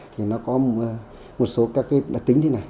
thì nó có một số các tính thế này